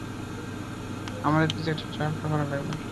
আমাদের কিছু একটা ড্র্যাফট করা লাগবে।